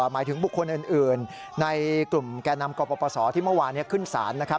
หมายถึงบุคคลอื่นในกลุ่มแก่นำกปศที่เมื่อวานขึ้นศาลนะครับ